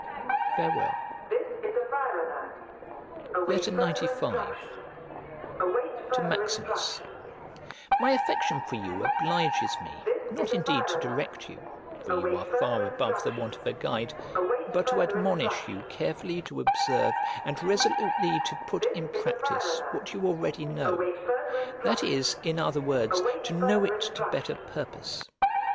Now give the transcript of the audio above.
Farewell. XCV To MAXIMUS My affection for you obliges me, not indeed to direct you (for you are far above the want of a guide), but to admonish you carefully to observe and resolutely to put in practice what you already know, that is, in other words, to know it to better purpose.